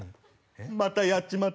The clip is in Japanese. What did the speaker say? またやっちまっ